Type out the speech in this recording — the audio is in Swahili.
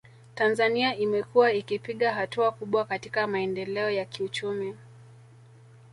Tanzania imekuwa ikipiga hatua kubwa katika maendeleo ya kiuchumi